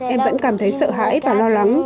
em vẫn cảm thấy sợ hãi và lo lắng